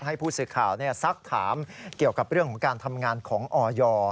ให้ผู้สื่อข่าวซักถามเกี่ยวกับเรื่องของการทำงานของออย